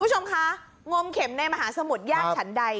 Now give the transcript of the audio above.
คุณผู้ชมคะงมเข็มในมหาสมุทรญาติฉันใด